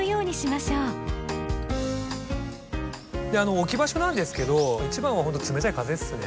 置き場所なんですけど一番はほんとに冷たい風ですね。